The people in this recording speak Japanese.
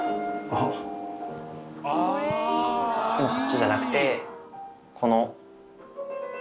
こっちじゃなくてこの。